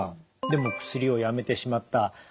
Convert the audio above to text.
でも薬をやめてしまった。